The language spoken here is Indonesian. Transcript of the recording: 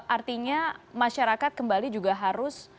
artinya masyarakat kembali juga harus